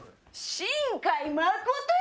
新海誠や！